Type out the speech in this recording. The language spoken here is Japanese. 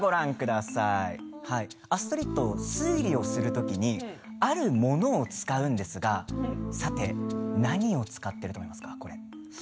アストリッドは推理をする時にあるものを使うんですがさて何を使っていると思いますか。